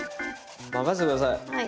任せて下さい。